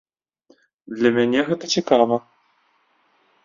Для мяне гэта цікава.